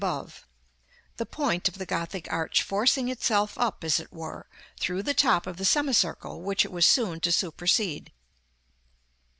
above); the point of the Gothic arch forcing itself up, as it were, through the top of the semicircle which it was soon to supersede.